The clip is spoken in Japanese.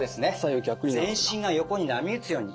全身が横に波打つように。